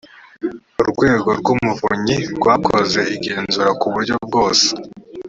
urwego rw umuvunyi rwakoze igenzura ku buryo bwose